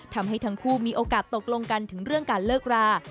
ทำให้ทั้งคู่มีโอกาสตกลงกันถึงเรื่องการเลิกรา